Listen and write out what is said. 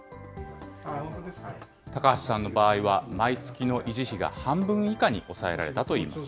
高橋さんの場合は、毎月の維持費が半分以下に抑えられたといいます。